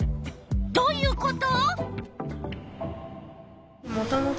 どういうこと？